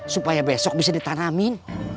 supaya besok bisa ditanamin